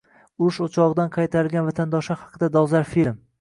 Urush o‘chog‘idan qaytarilgan vatandoshlar haqida dolzarb film